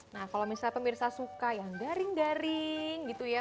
nah kalau misalnya pemirsa suka yang garing garing gitu ya